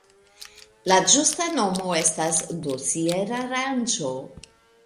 La ĝusta nomo estas dosier-aranĝo.